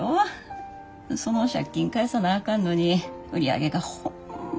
その借金返さなあかんのに売り上げがホンマ厳しい状態でな。